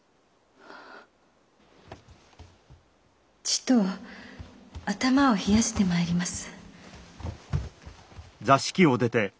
ちと頭を冷やして参ります。